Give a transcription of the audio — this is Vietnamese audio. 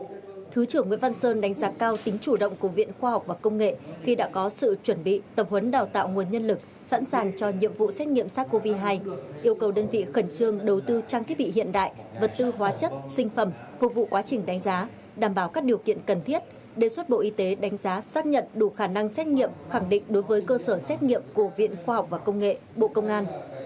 đồng chí thứ trưởng nguyễn văn sơn đánh giá cao tính chủ động của viện khoa học và công nghệ khi đã có sự chuẩn bị tập huấn đào tạo nguồn nhân lực sẵn sàng cho nhiệm vụ xét nghiệm sars cov hai yêu cầu đơn vị khẩn trương đầu tư trang thiết bị hiện đại vật tư hóa chất sinh phẩm phục vụ quá trình đánh giá đảm bảo các điều kiện cần thiết đề xuất bộ y tế đánh giá xác nhận đủ khả năng xét nghiệm khẳng định đối với cơ sở xét nghiệm của viện khoa học và công nghệ bộ công an